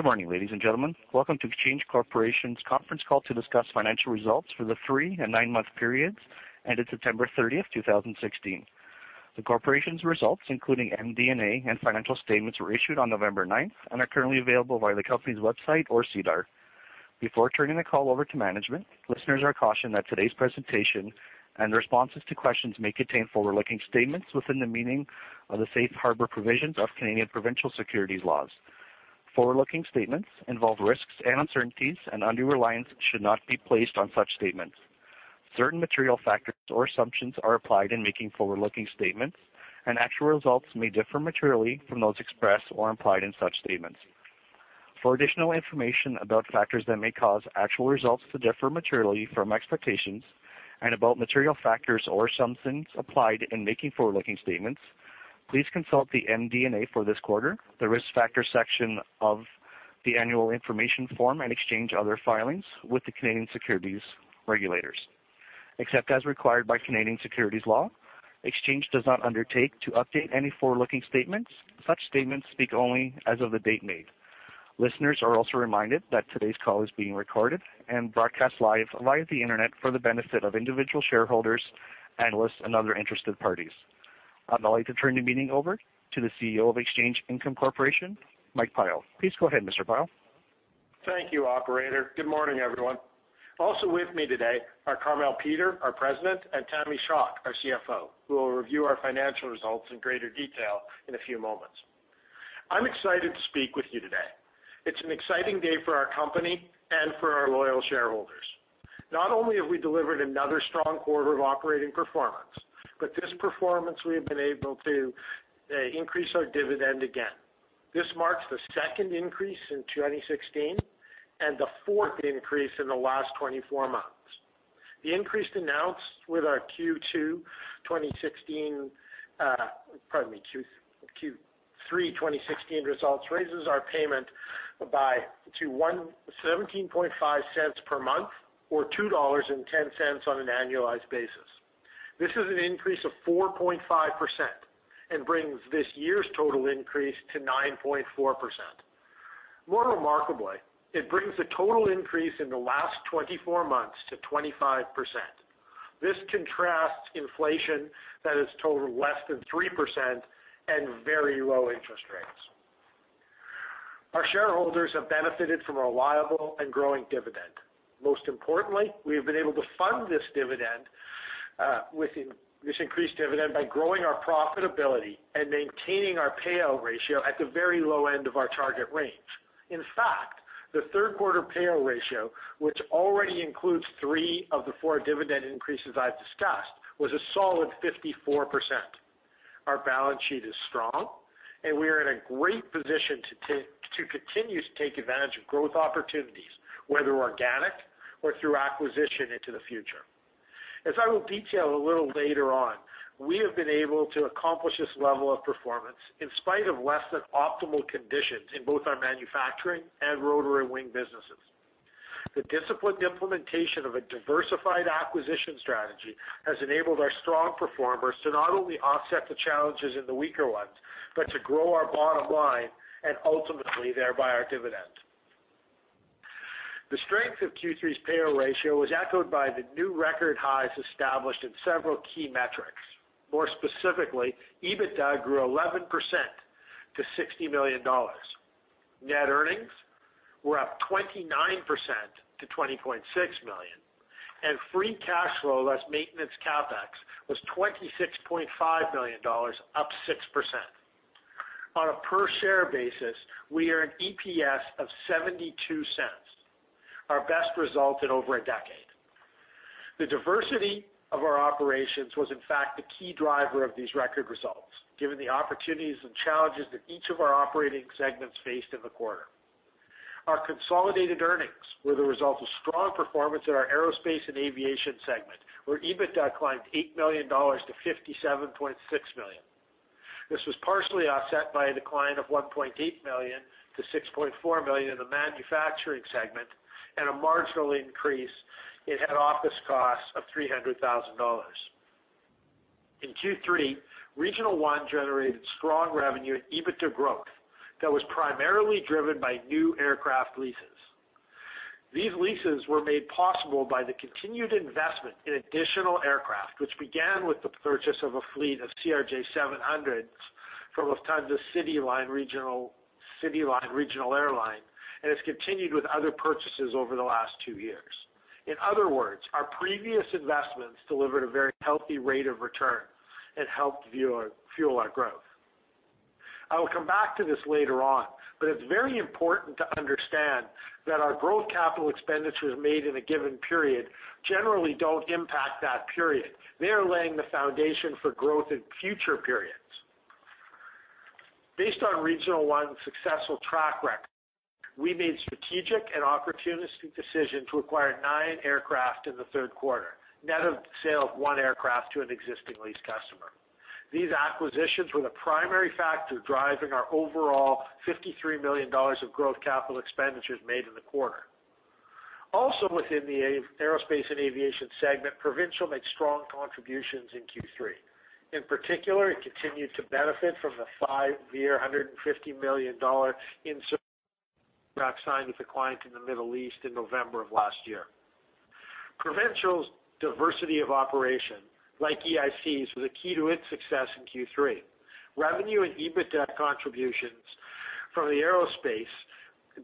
Good morning, ladies and gentlemen. Welcome to Exchange Corporation's conference call to discuss financial results for the three and nine-month periods ended September 30, 2016. The corporation's results, including MD&A and financial statements, were issued on November 9 and are currently available via the company's website or SEDAR. Before turning the call over to management, listeners are cautioned that today's presentation and responses to questions may contain forward-looking statements within the meaning of the safe harbor provisions of Canadian provincial securities laws. Forward-looking statements involve risks and uncertainties, and undue reliance should not be placed on such statements. Certain material factors or assumptions are applied in making forward-looking statements, and actual results may differ materially from those expressed or implied in such statements. For additional information about factors that may cause actual results to differ materially from expectations and about material factors or assumptions applied in making forward-looking statements, please consult the MD&A for this quarter, the risk factor section of the annual information form, and Exchange other filings with the Canadian securities regulators. Except as required by Canadian securities law, Exchange does not undertake to update any forward-looking statements. Such statements speak only as of the date made. Listeners are also reminded that today's call is being recorded and broadcast live via the internet for the benefit of individual shareholders, analysts, and other interested parties. I'd now like to turn the meeting over to the CEO of Exchange Income Corporation, Mike Pyle. Please go ahead, Mr. Pyle. Thank you, operator. Good morning, everyone. Also with me today are Carmele Peter, our President, and Tammy Schock, our CFO, who will review our financial results in greater detail in a few moments. I'm excited to speak with you today. It's an exciting day for our company and for our loyal shareholders. Not only have we delivered another strong quarter of operating performance, but this performance, we have been able to increase our dividend again. This marks the second increase in 2016 and the fourth increase in the last 24 months. The increase announced with our Q2 2016 Q3 2016 results raises our payment to 0.175 per month or 2.10 dollars on an annualized basis. This is an increase of 4.5% and brings this year's total increase to 9.4%. More remarkably, it brings the total increase in the last 24 months to 25%. This contrasts inflation that has totaled less than 3% and very low interest rates. Our shareholders have benefited from a reliable and growing dividend. Most importantly, we have been able to fund this increased dividend by growing our profitability and maintaining our payout ratio at the very low end of our target range. In fact, the third quarter payout ratio, which already includes three of the four dividend increases I've discussed, was a solid 54%. Our balance sheet is strong, and we are in a great position to continue to take advantage of growth opportunities, whether organic or through acquisition into the future. As I will detail a little later on, we have been able to accomplish this level of performance in spite of less than optimal conditions in both our manufacturing and rotary wing businesses. The disciplined implementation of a diversified acquisition strategy has enabled our strong performers to not only offset the challenges in the weaker ones, but to grow our bottom line and ultimately, thereby, our dividend. The strength of Q3's payout ratio was echoed by the new record highs established in several key metrics. More specifically, EBITDA grew 11% to 60 million dollars. Net earnings were up 29% to 20.6 million, and free cash flow less maintenance CapEx was 26.5 million dollars, up 6%. On a per-share basis, we are an EPS of 0.72, our best result in over a decade. The diversity of our operations was, in fact, the key driver of these record results, given the opportunities and challenges that each of our operating segments faced in the quarter. Our consolidated earnings were the result of strong performance in our aerospace and aviation segment, where EBITDA climbed 8 million dollars to 57.6 million. This was partially offset by a decline of 1.8 million to 6.4 million in the manufacturing segment and a marginal increase in head office costs of 300,000 dollars. In Q3, Regional One generated strong revenue and EBITDA growth that was primarily driven by new aircraft leases. These leases were made possible by the continued investment in additional aircraft, which began with the purchase of a fleet of CRJ-700s from Lufthansa CityLine regional airline and has continued with other purchases over the last two years. In other words, our previous investments delivered a very healthy rate of return and helped fuel our growth. I will come back to this later on, but it's very important to understand that our growth capital expenditures made in a given period generally don't impact that period. They are laying the foundation for growth in future periods. Based on Regional One's successful track record, we made strategic and opportunistic decisions to acquire nine aircraft in the third quarter, net of the sale of one aircraft to an existing lease customer. These acquisitions were the primary factor driving our overall 53 million dollars of growth capital expenditures made in the quarter. Also within the aerospace and aviation segment, Provincial made strong contributions in Q3. In particular, it continued to benefit from the five-year, CAD 150 million ISS contract signed with a client in the Middle East in November of last year. Provincial's diversity of operation, like EIC's, was a key to its success in Q3. Revenue and EBITDA contributions from the aerospace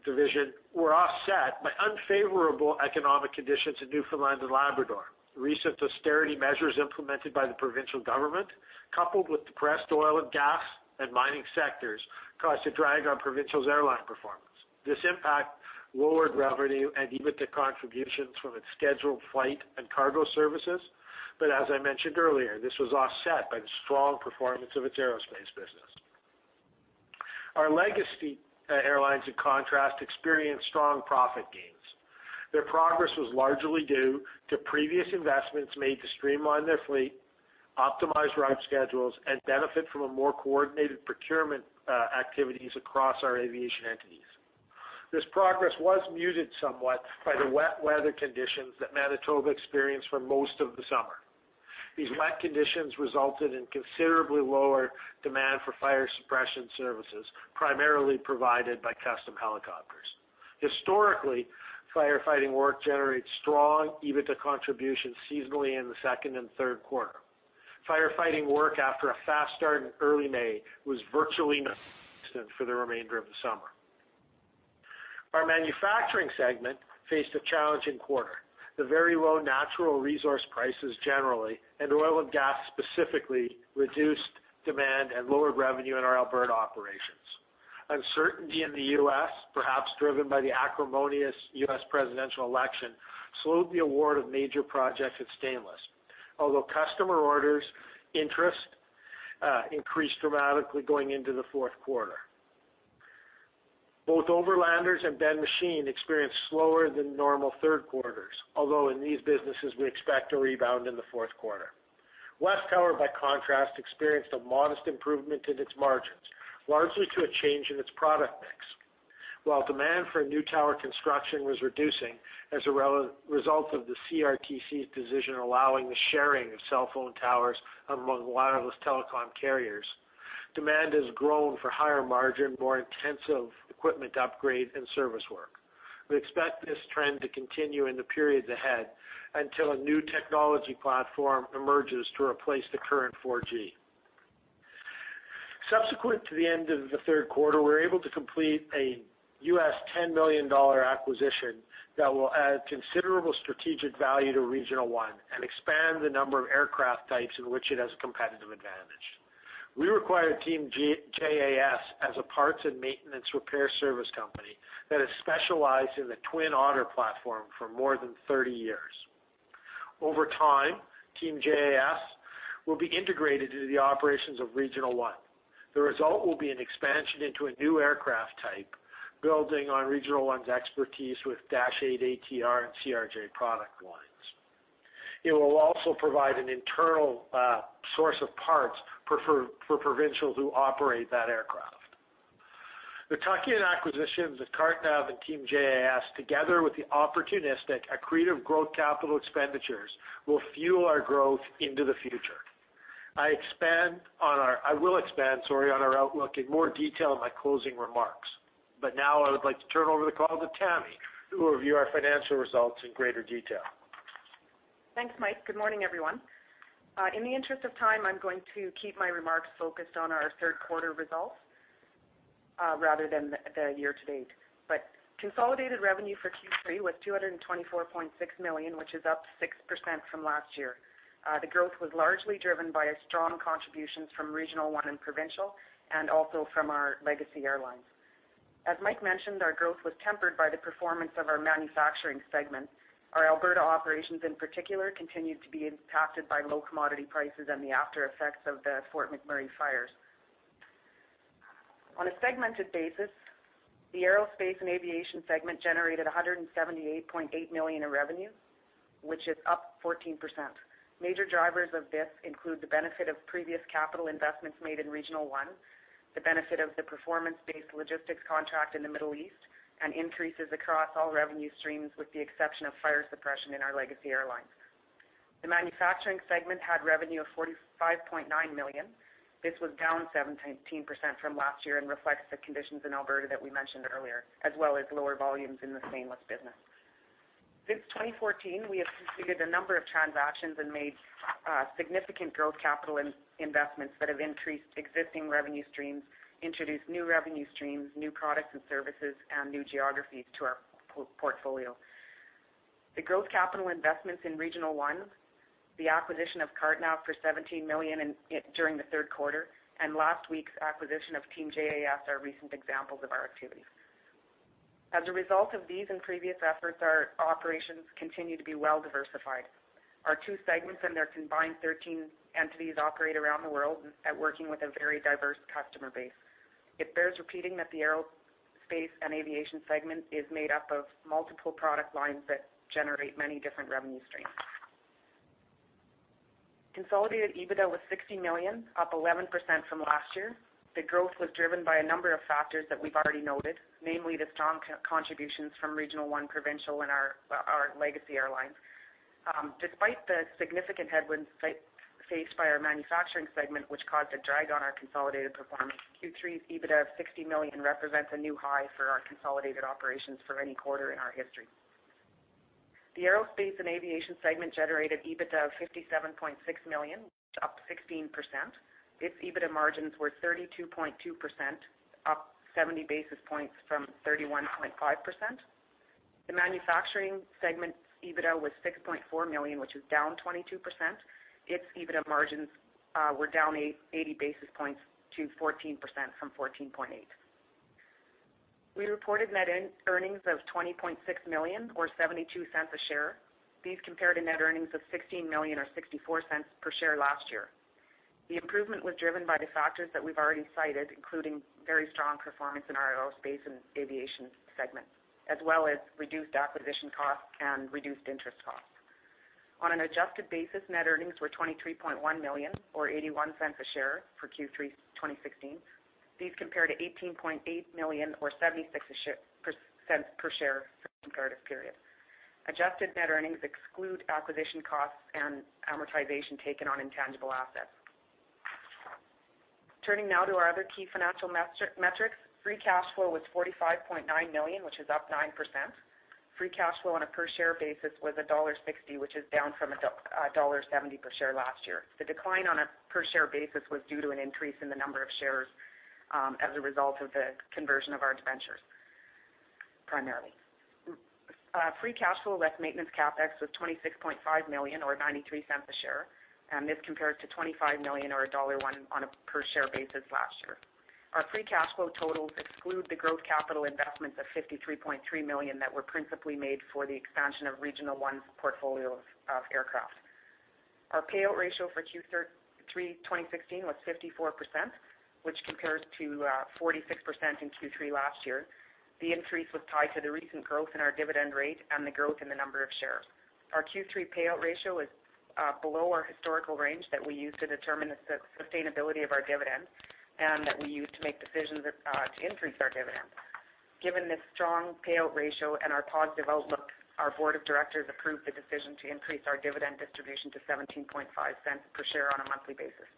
division were offset by unfavorable economic conditions in Newfoundland and Labrador. Recent austerity measures implemented by the provincial government, coupled with depressed oil and gas and mining sectors, caused a drag on Provincial's airline performance. This impact lowered revenue and EBITDA contributions from its scheduled flight and cargo services. As I mentioned earlier, this was offset by the strong performance of its aerospace business. Our legacy airlines, in contrast, experienced strong profit gains. Their progress was largely due to previous investments made to streamline their fleet, optimize route schedules, and benefit from a more coordinated procurement activities across our aviation entities. This progress was muted somewhat by the wet weather conditions that Manitoba experienced for most of the summer. These wet conditions resulted in considerably lower demand for fire suppression services, primarily provided by Custom Helicopters. Historically, firefighting work generates strong EBITDA contributions seasonally in the second and third quarter. Firefighting work after a fast start in early May was virtually non-existent for the remainder of the summer. Our manufacturing segment faced a challenging quarter. The very low natural resource prices generally, and oil and gas specifically, reduced demand and lowered revenue in our Alberta operations. Uncertainty in the U.S., perhaps driven by the acrimonious U.S. presidential election, slowed the award of major projects at Stainless. Although customer orders interest increased dramatically going into the fourth quarter. Both Overlanders and Ben Machine experienced slower than normal third quarters. Although in these businesses, we expect a rebound in the fourth quarter. WesTower, by contrast, experienced a modest improvement in its margins, largely to a change in its product mix. While demand for new tower construction was reducing as a result of the CRTC's decision allowing the sharing of cellphone towers among wireless telecom carriers, demand has grown for higher margin, more intensive equipment upgrade and service work. We expect this trend to continue in the periods ahead until a new technology platform emerges to replace the current 4G. Subsequent to the end of the third quarter, we were able to complete a $10 million acquisition that will add considerable strategic value to Regional One and expand the number of aircraft types in which it has a competitive advantage. We acquired Team JAS as a parts and maintenance repair service company that has specialized in the Twin Otter platform for more than 30 years. Over time, Team JAS will be integrated into the operations of Regional One. The result will be an expansion into a new aircraft type, building on Regional One's expertise with Dash 8, ATR, and CRJ product lines. It will also provide an internal source of parts for Provincial who operate that aircraft. The tuck-in acquisitions of CarteNav and Team JAS, together with the opportunistic accretive growth capital expenditures, will fuel our growth into the future. Now I would like to turn over the call to Tammy, who will review our financial results in greater detail. Thanks, Mike. Good morning, everyone. In the interest of time, I'm going to keep my remarks focused on our third quarter results rather than the year to date. Consolidated revenue for Q3 was 224.6 million, which is up 6% from last year. The growth was largely driven by strong contributions from Regional One and Provincial and also from our legacy airlines. As Mike mentioned, our growth was tempered by the performance of our manufacturing segment. Our Alberta operations, in particular, continued to be impacted by low commodity prices and the aftereffects of the Fort McMurray fires. On a segmented basis, the aerospace and aviation segment generated 178.8 million in revenue, which is up 14%. Major drivers of this include the benefit of previous capital investments made in Regional One, the benefit of the performance-based logistics contract in the Middle East, and increases across all revenue streams, with the exception of fire suppression in our legacy airlines. The manufacturing segment had revenue of 45.9 million. This was down 17% from last year and reflects the conditions in Alberta that we mentioned earlier, as well as lower volumes in the Stainless business. Since 2014, we have completed a number of transactions and made significant growth capital investments that have increased existing revenue streams, introduced new revenue streams, new products and services, and new geographies to our portfolio. The growth capital investments in Regional One, the acquisition of CarteNav for 17 million during the third quarter, and last week's acquisition of Team JAS are recent examples of our activities. As a result of these and previous efforts, our operations continue to be well-diversified. Our two segments and their combined 13 entities operate around the world at working with a very diverse customer base. It bears repeating that the aerospace and aviation segment is made up of multiple product lines that generate many different revenue streams. Consolidated EBITDA was 60 million, up 11% from last year. The growth was driven by a number of factors that we've already noted, namely the strong contributions from Regional One, Provincial, and our legacy airlines. Despite the significant headwinds faced by our manufacturing segment, which caused a drag on our consolidated performance, Q3's EBITDA of 60 million represents a new high for our consolidated operations for any quarter in our history. The aerospace and aviation segment generated EBITDA of 57.6 million, up 16%. Its EBITDA margins were 32.2%, up 70 basis points from 31.5%. The manufacturing segment's EBITDA was 6.4 million, which is down 22%. Its EBITDA margins were down 80 basis points to 14% from 14.8%. We reported net earnings of 20.6 million, or 0.72 a share. These compared to net earnings of 16 million or 0.64 per share last year. The improvement was driven by the factors that we've already cited, including very strong performance in our aerospace and aviation segment, as well as reduced acquisition costs and reduced interest costs. On an adjusted basis, net earnings were 23.1 million or 0.81 a share for Q3 2016. These compare to 18.8 million or 0.76 per share for the comparative period. Adjusted net earnings exclude acquisition costs and amortization taken on intangible assets. Turning now to our other key financial metrics. Free cash flow was 45.9 million, which is up 9%. Free cash flow on a per share basis was dollar 1.60, which is down from dollar 1.70 per share last year. The decline on a per share basis was due to an increase in the number of shares as a result of the conversion of our debentures, primarily. Free cash flow less maintenance CapEx was 26.5 million or 0.93 a share, and this compared to 25 million or dollar 1.01 on a per share basis last year. Our free cash flow totals exclude the growth capital investments of 53.3 million that were principally made for the expansion of Regional One's portfolio of aircraft. Our payout ratio for Q3 2016 was 54%, which compares to 46% in Q3 last year. The increase was tied to the recent growth in our dividend rate and the growth in the number of shares. Our Q3 payout ratio is below our historical range that we use to determine the sustainability of our dividends and that we use to make decisions to increase our dividends. Given this strong payout ratio and our positive outlook, our board of directors approved the decision to increase our dividend distribution to 0.175 per share on a monthly basis.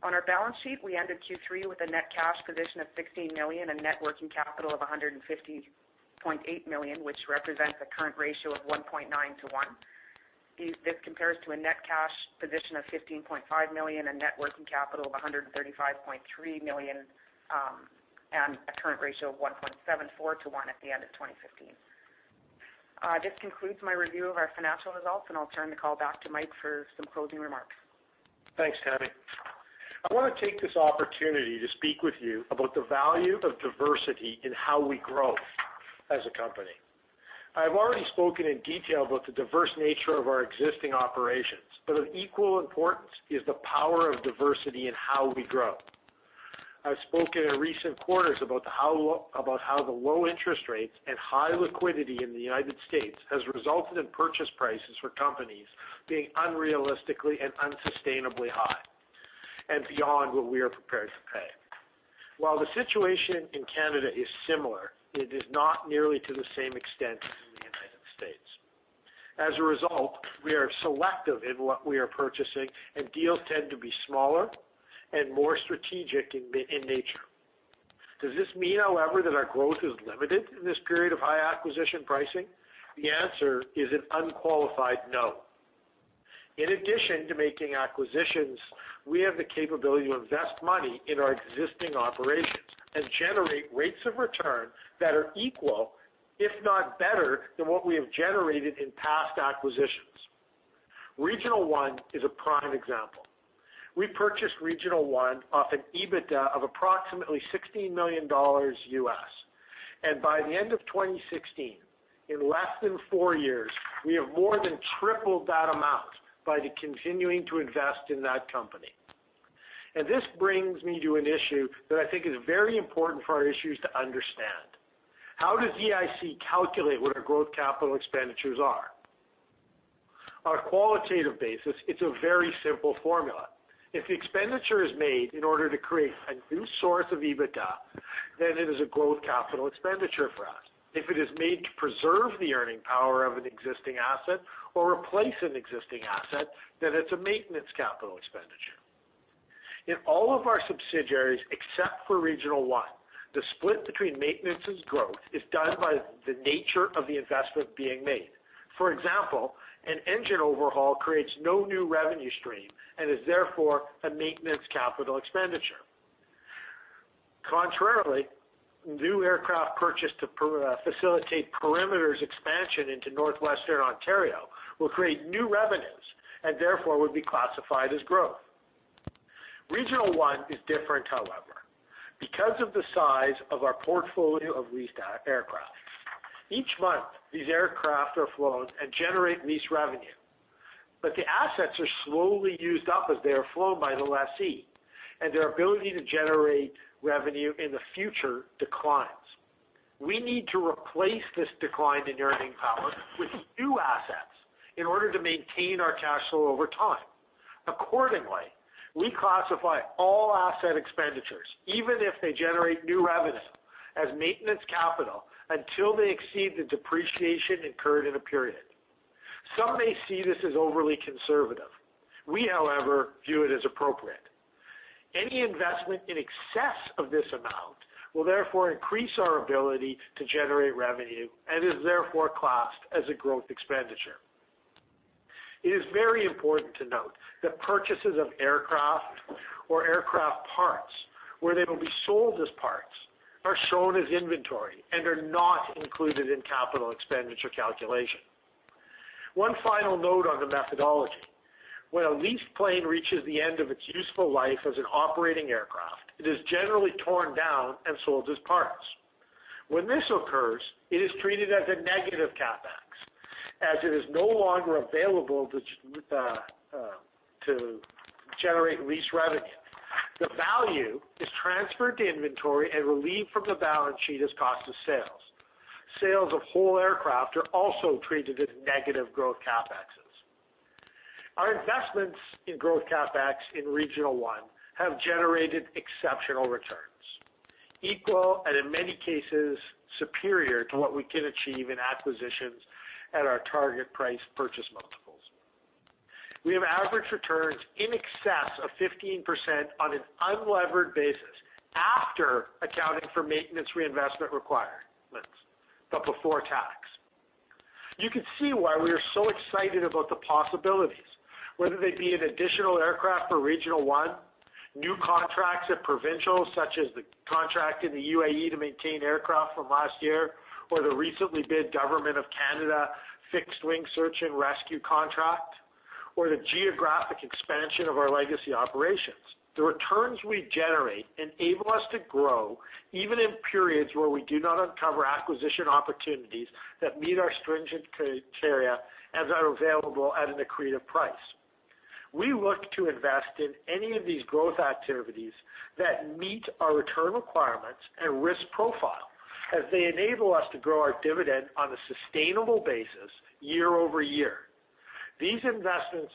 On our balance sheet, we ended Q3 with a net cash position of 16 million and net working capital of 150.8 million, which represents a current ratio of 1.9 to 1. This compares to a net cash position of 15.5 million and net working capital of 135.3 million, and a current ratio of 1.74 to 1 at the end of 2015. This concludes my review of our financial results, I'll turn the call back to Mike for some closing remarks. Thanks, Tammy. I want to take this opportunity to speak with you about the value of diversity in how we grow as a company. I've already spoken in detail about the diverse nature of our existing operations, but of equal importance is the power of diversity in how we grow. I've spoken in recent quarters about how the low interest rates and high liquidity in the U.S. has resulted in purchase prices for companies being unrealistically and unsustainably high and beyond what we are prepared to pay. While the situation in Canada is similar, it is not nearly to the same extent as in the U.S. As a result, we are selective in what we are purchasing, deals tend to be smaller and more strategic in nature. Does this mean, however, that our growth is limited in this period of high acquisition pricing? The answer is an unqualified no. In addition to making acquisitions, we have the capability to invest money in our existing operations and generate rates of return that are equal, if not better, than what we have generated in past acquisitions. Regional One is a prime example. We purchased Regional One off an EBITDA of approximately $16 million U.S., by the end of 2016, in less than four years, we have more than tripled that amount by continuing to invest in that company. This brings me to an issue that I think is very important for our issues to understand. How does EIC calculate what our growth capital expenditures are? On a qualitative basis, it's a very simple formula. If the expenditure is made in order to create a new source of EBITDA, then it is a growth capital expenditure for us. If it is made to preserve the earning power of an existing asset or replace an existing asset, then it's a maintenance capital expenditure. In all of our subsidiaries except for Regional One, the split between maintenance and growth is done by the nature of the investment being made. For example, an engine overhaul creates no new revenue stream and is therefore a maintenance capital expenditure. Contrarily, new aircraft purchased to facilitate Perimeter's expansion into Northwestern Ontario will create new revenues and therefore would be classified as growth. Regional One is different, however, because of the size of our portfolio of leased aircraft. Each month, these aircraft are flown and generate lease revenue, but the assets are slowly used up as they are flown by the lessee, and their ability to generate revenue in the future declines. We need to replace this decline in earning power with new assets in order to maintain our cash flow over time. Accordingly, we classify all asset expenditures, even if they generate new revenue, as maintenance capital until they exceed the depreciation incurred in a period. Some may see this as overly conservative. We, however, view it as appropriate. Any investment in excess of this amount will therefore increase our ability to generate revenue and is therefore classed as a growth expenditure. It is very important to note that purchases of aircraft or aircraft parts where they will be sold as parts are shown as inventory and are not included in capital expenditure calculation. One final note on the methodology. When a leased plane reaches the end of its useful life as an operating aircraft, it is generally torn down and sold as parts. When this occurs, it is treated as a negative CapEx, as it is no longer available to generate lease revenue. The value is transferred to inventory and relieved from the balance sheet as cost of sales. Sales of whole aircraft are also treated as negative growth CapExes. Our investments in growth CapEx in Regional One have generated exceptional returns, equal and in many cases superior to what we can achieve in acquisitions at our target price purchase multiples. We have average returns in excess of 15% on an unlevered basis after accounting for maintenance reinvestment requirements, but before tax. You can see why we are so excited about the possibilities, whether they be in additional aircraft for Regional One, new contracts at Provincial, such as the contract in the UAE to maintain aircraft from last year or the recently bid Government of Canada fixed-wing search and rescue contract or the geographic expansion of our legacy operations. The returns we generate enable us to grow even in periods where we do not uncover acquisition opportunities that meet our stringent criteria as are available at an accretive price. We look to invest in any of these growth activities that meet our return requirements and risk profile as they enable us to grow our dividend on a sustainable basis year-over-year. These investments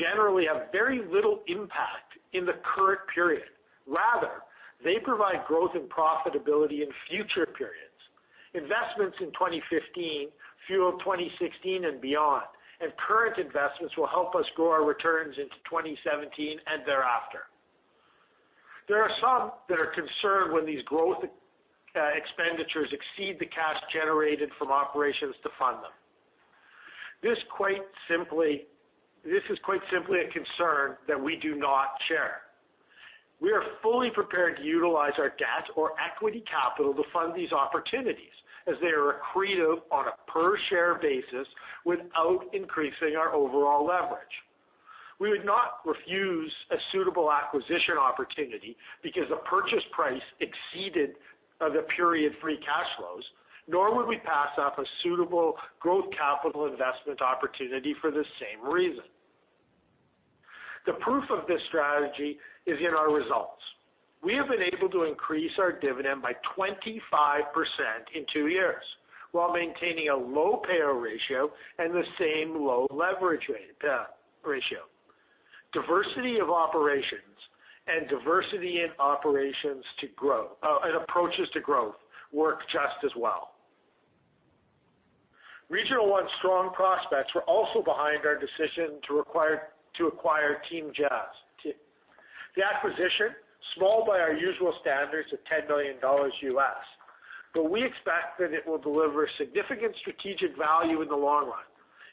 generally have very little impact in the current period. Rather, they provide growth and profitability in future periods. Investments in 2015 fuel 2016 and beyond. Current investments will help us grow our returns into 2017 and thereafter. There are some that are concerned when these growth expenditures exceed the cash generated from operations to fund them. This is quite simply a concern that we do not share. We are fully prepared to utilize our debt or equity capital to fund these opportunities as they are accretive on a per share basis without increasing our overall leverage. We would not refuse a suitable acquisition opportunity because a purchase price exceeded the period free cash flows, nor would we pass up a suitable growth capital investment opportunity for the same reason. The proof of this strategy is in our results. We have been able to increase our dividend by 25% in two years while maintaining a low payout ratio and the same low leverage ratio. Diversity of operations and diversity in approaches to growth work just as well. Regional One strong prospects were also behind our decision to acquire Team JAS. The acquisition, small by our usual standards of $10 million, but we expect that it will deliver significant strategic value in the long run.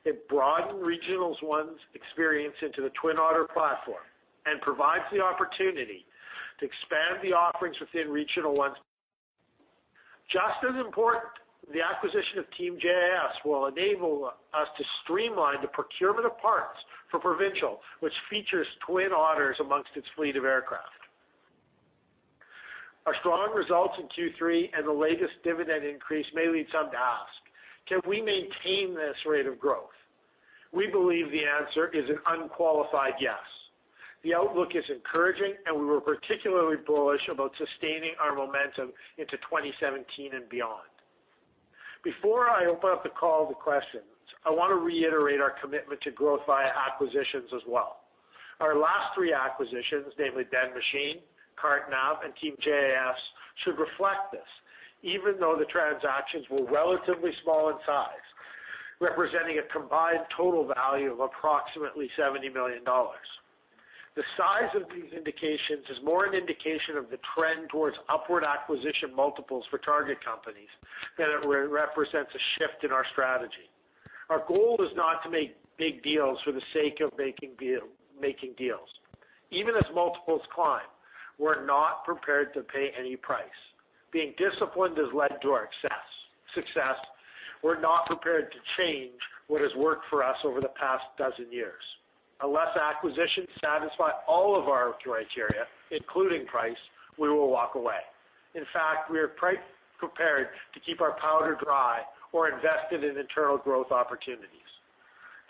It broadened Regional One's experience into the Twin Otter platform and provides the opportunity to expand the offerings within Regional One. Just as important, the acquisition of Team JAS will enable us to streamline the procurement of parts for Provincial, which features Twin Otters amongst its fleet of aircraft. Our strong results in Q3 and the latest dividend increase may lead some to ask: Can we maintain this rate of growth? We believe the answer is an unqualified yes. The outlook is encouraging, and we were particularly bullish about sustaining our momentum into 2017 and beyond. Before I open up the call to questions, I want to reiterate our commitment to growth via acquisitions as well. Our last three acquisitions, namely Ben Machine, CarteNav and Team JAS, should reflect this even though the transactions were relatively small in size, representing a combined total value of approximately 70 million dollars. The size of these indications is more an indication of the trend towards upward acquisition multiples for target companies than it represents a shift in our strategy. Our goal is not to make big deals for the sake of making deals. Even as multiples climb, we're not prepared to pay any price. Being disciplined has led to our success. We're not prepared to change what has worked for us over the past dozen years. Unless acquisitions satisfy all of our criteria, including price, we will walk away. In fact, we are prepared to keep our powder dry or invest it in internal growth opportunities.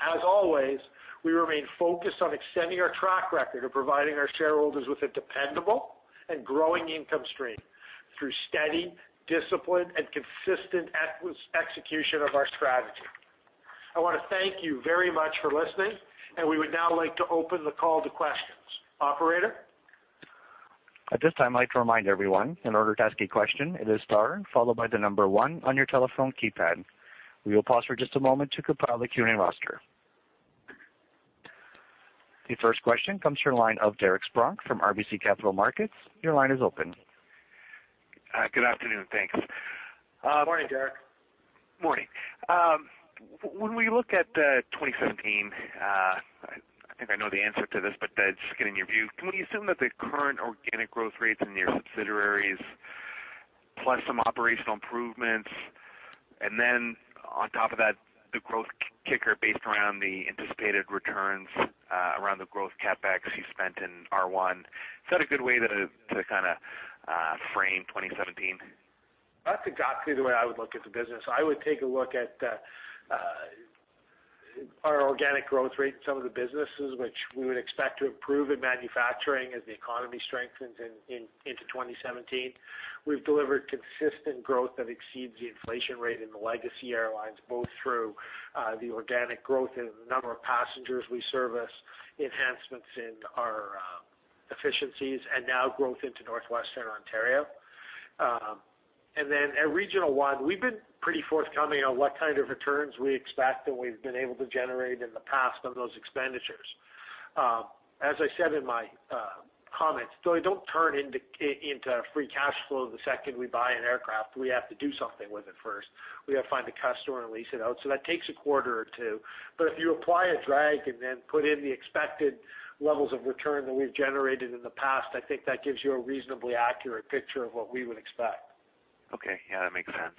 As always, we remain focused on extending our track record of providing our shareholders with a dependable and growing income stream through steady, disciplined, and consistent execution of our strategy. I want to thank you very much for listening, and we would now like to open the call to questions. Operator? At this time, I'd like to remind everyone, in order to ask a question, it is star followed by the number one on your telephone keypad. We will pause for just a moment to compile the Q&A roster. The first question comes from the line of Derek Spronck from RBC Capital Markets. Your line is open. Good afternoon. Thanks. Morning, Derek. Morning. When we look at 2017, I think I know the answer to this, but just getting your view, can we assume that the current organic growth rates in your subsidiaries, plus some operational improvements, and then on top of that, the growth kicker based around the anticipated returns around the growth CapEx you spent in R1, is that a good way to frame 2017? That's exactly the way I would look at the business. I would take a look at our organic growth rate in some of the businesses, which we would expect to improve in manufacturing as the economy strengthens into 2017. We've delivered consistent growth that exceeds the inflation rate in the legacy airlines, both through the organic growth in the number of passengers we service, enhancements in our efficiencies, and now growth into Northwestern Ontario. At Regional One, we've been pretty forthcoming on what kind of returns we expect and we've been able to generate in the past on those expenditures. As I said in my comments, they don't turn into free cash flow the second we buy an aircraft. We have to do something with it first. We have to find a customer and lease it out. That takes a quarter or two. If you apply a drag and then put in the expected levels of return that we've generated in the past, I think that gives you a reasonably accurate picture of what we would expect. Okay. Yeah, that makes sense.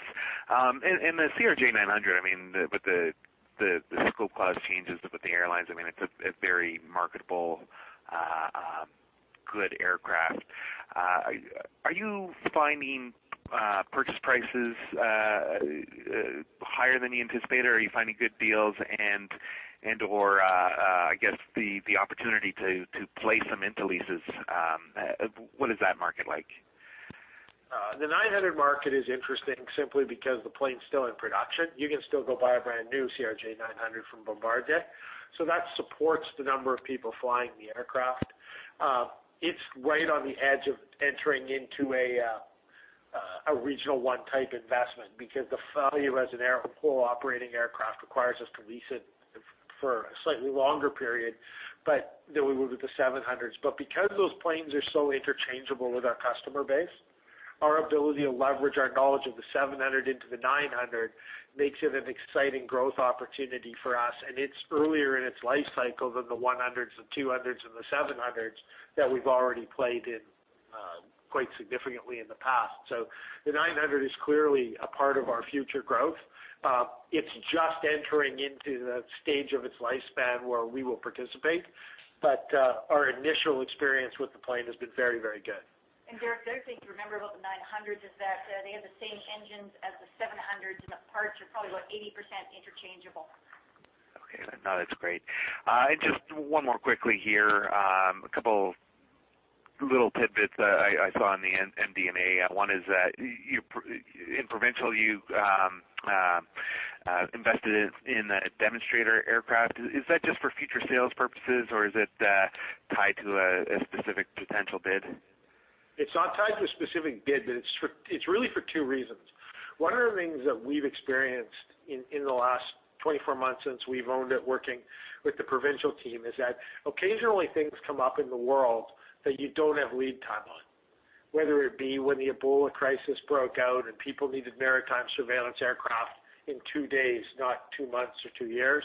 In the CRJ900, with the scope clause changes with the airlines, it's a very marketable good aircraft. Are you finding purchase prices higher than you anticipate or are you finding good deals and/or, I guess, the opportunity to place them into leases? What is that market like? The 900 market is interesting simply because the plane's still in production. You can still go buy a brand new CRJ900 from Bombardier. That supports the number of people flying the aircraft. It's right on the edge of entering into a Regional One type investment because the value as a whole operating aircraft requires us to lease it for a slightly longer period, but than we would with the 700s. Because those planes are so interchangeable with our customer base, our ability to leverage our knowledge of the 700 into the 900 makes it an exciting growth opportunity for us. It's earlier in its life cycle than the 100s, the 200s, and the 700s that we've already played in quite significantly in the past. The 900 is clearly a part of our future growth. It's just entering into the stage of its lifespan where we will participate. Our initial experience with the plane has been very, very good. Derek, the other thing to remember about the 900s is that they have the same engines as the 700s, and the parts are probably about 80% interchangeable. Okay. No, that's great. Just one more quickly here. A couple little tidbits I saw in the MD&A. One is that in Provincial, you invested in a demonstrator aircraft. Is that just for future sales purposes, or is it tied to a specific potential bid? It's not tied to a specific bid, but it's really for two reasons. One of the things that we've experienced in the last 24 months since we've owned it, working with the Provincial team, is that occasionally things come up in the world that you don't have lead time on, whether it be when the Ebola crisis broke out and people needed maritime surveillance aircraft in two days, not two months or two years.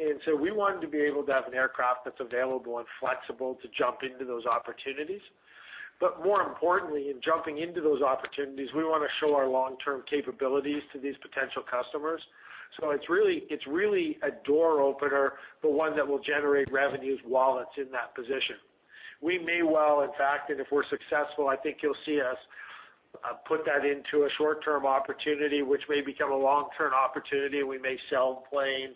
We wanted to be able to have an aircraft that's available and flexible to jump into those opportunities. More importantly, in jumping into those opportunities, we want to show our long-term capabilities to these potential customers. It's really a door opener, but one that will generate revenues while it's in that position. We may well, in fact, and if we're successful, I think you'll see us put that into a short-term opportunity, which may become a long-term opportunity. We may sell the plane,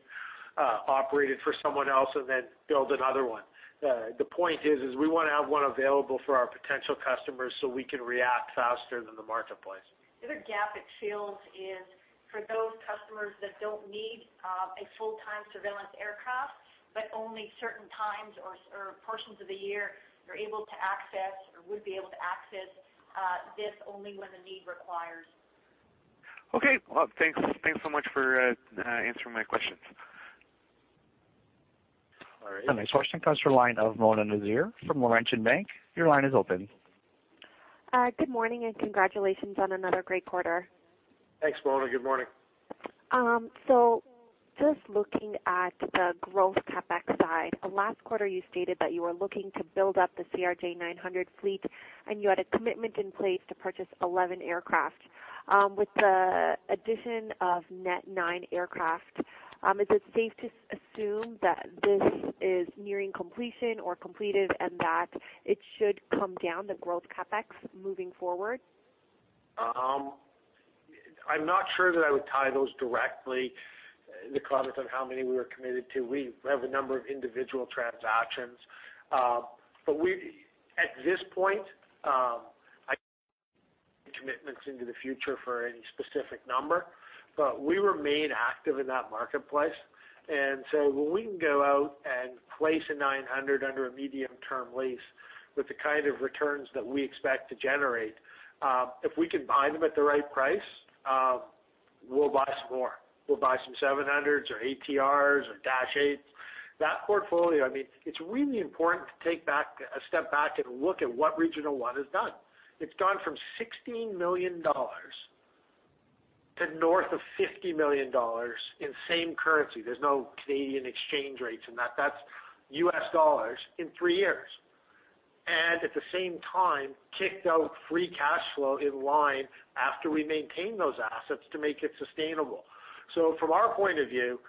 operate it for someone else, and then build another one. The point is we want to have one available for our potential customers so we can react faster than the marketplace. The other gap it fills is for those customers that don't need a full-time surveillance aircraft, but only certain times or portions of the year, they're able to access or would be able to access this only when the need requires. Okay. Well, thanks so much for answering my questions. All right. The next question comes from the line of Mona Nazir from Laurentian Bank. Your line is open. Good morning, congratulations on another great quarter. Thanks, Mona. Good morning. Just looking at the growth CapEx side, last quarter you stated that you were looking to build up the CRJ900 fleet and you had a commitment in place to purchase 11 aircraft. With the addition of net nine aircraft, is it safe to assume that this is nearing completion or completed and that it should come down, the growth CapEx moving forward? I'm not sure that I would tie those directly, the comment on how many we were committed to. We have a number of individual transactions. At this point, commitments into the future for any specific number, but we remain active in that marketplace. So when we can go out and place a 900 under a medium-term lease with the kind of returns that we expect to generate, if we can buy them at the right price, we'll buy some more. We'll buy some 700s or ATRs or Dash 8s. That portfolio, it's really important to take a step back and look at what Regional One has done. It's gone from $16 million to north of $50 million in same currency. There's no Canadian exchange rates in that. That's U.S. dollars in three years. At the same time, kicked out free cash flow in line after we maintain those assets to make it sustainable. From our point of view,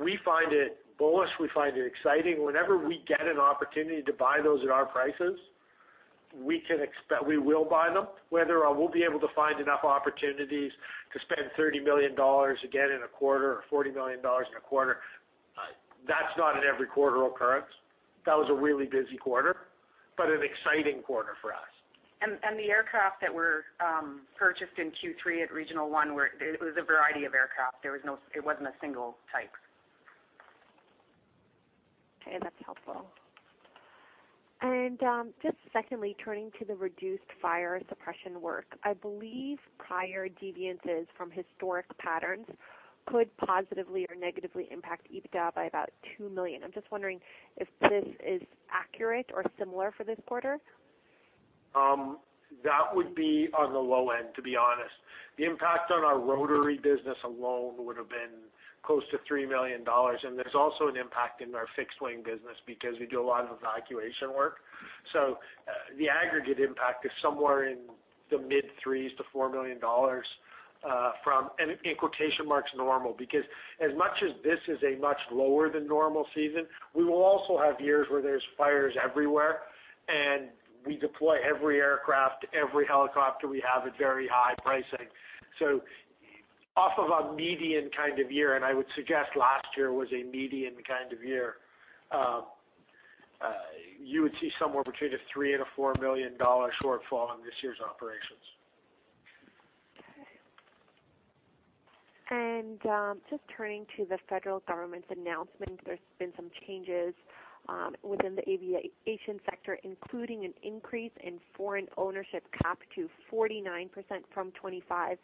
we find it bullish, we find it exciting. Whenever we get an opportunity to buy those at our prices, we will buy them. Whether we'll be able to find enough opportunities to spend 30 million dollars again in a quarter or 40 million dollars in a quarter, that's not an every quarter occurrence. That was a really busy quarter, but an exciting quarter for us. The aircraft that were purchased in Q3 at Regional One, it was a variety of aircraft. It wasn't a single type. Okay, that's helpful. Just secondly, turning to the reduced fire suppression work, I believe prior deviations from historic patterns could positively or negatively impact EBITDA by about 2 million. I'm just wondering if this is accurate or similar for this quarter? That would be on the low end, to be honest. The impact on our rotary business alone would've been close to 3 million dollars, and there's also an impact in our fixed-wing business because we do a lot of evacuation work. The aggregate impact is somewhere in the mid-threes to 4 million dollars from, and in quotation marks, "normal" because as much as this is a much lower than normal season, we will also have years where there's fires everywhere and we deploy every aircraft, every helicopter we have at very high pricing. Off of a median kind of year, and I would suggest last year was a median kind of year, you would see somewhere between a 3 million and a 4 million dollar shortfall in this year's operations. Okay. Just turning to the federal government's announcement, there's been some changes within the aviation sector, including an increase in foreign ownership capped to 49% from 25%.